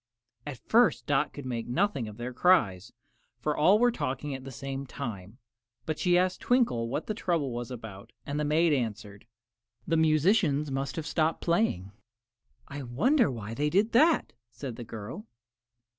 At first Dot could make nothing of their cries, for all were talking at the same time; but she asked Twinkle what the trouble was about and the maid answered, "The musicians must have stopped playing." "I wonder why they did that," said the girl.